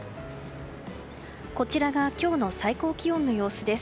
こちらが今日の最高気温の様子です。